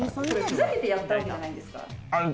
ふざけてやったわけじゃないんですか？